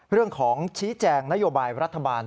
เรื่องของชี้แจงนโยบายรัฐบาล